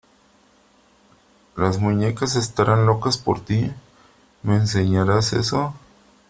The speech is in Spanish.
Las muñecas estarán locas por ti .¿ Me enseñarás eso ?